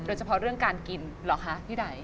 โดยเฉพาะเรื่องการกินเหรอคะพี่ได